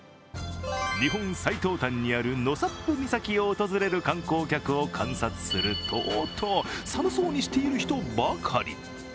日本最東端にある納沙布岬を訪れる観光客を観察すると寒そうにしている人ばかり。